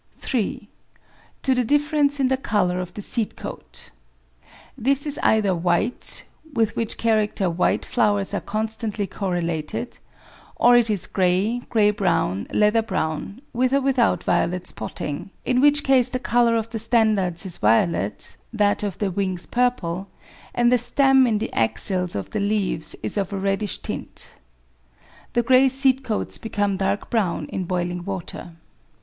3. To the difference in the colour of the seed coat. This is either white, with which character white flowers are constantly corre lated; or it is grey, grey brown, leather brown, with or without violet spotting, in which case the colour of the standards is violet, that of the wings purple, and the stem in the axils of the leaves is of a reddish tint. The grey seed coats become dark brown in boiling water.